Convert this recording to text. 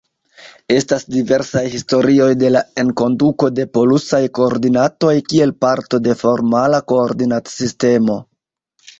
Estas diversaj historioj de la enkonduko de polusaj koordinatoj kiel parto de formala koordinatsistemo.